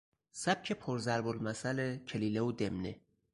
سبک پر ضرب المثل کلیله و دمنه